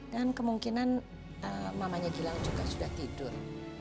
dan kemungkinan mamanya gilang juga sudah tidur